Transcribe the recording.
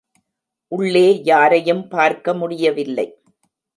உள்ளே யாரையும் பார்க்க முடியவில்லை.